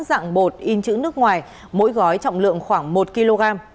dạng bột in chữ nước ngoài mỗi gói trọng lượng khoảng một kg